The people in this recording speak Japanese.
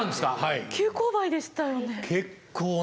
急勾配でしたよね。